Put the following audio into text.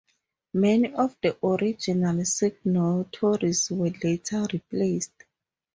Many of the original signatories were later replaced.